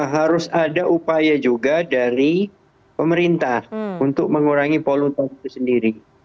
harus ada upaya juga dari pemerintah untuk mengurangi polutan itu sendiri